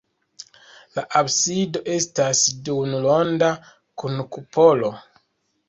La absido estas duonronda kun kupolo.